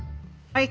はい。